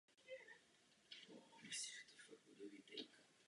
Samantha Carterová vymyslí jak základnu zachránit.